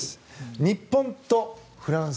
日本とフランス